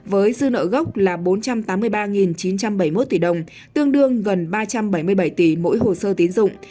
với dư nợ gốc là bốn trăm tám mươi ba chín trăm bảy mươi một tỷ đồng tương đương gần ba trăm bảy mươi bảy tỷ mỗi hồ sơ tiến dụng